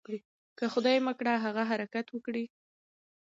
که خدای مه کړه هغه حرکت وکړي.